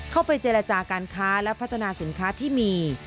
เข้าไปเจรจาการค้าและพัฒนาสินค้าที่มี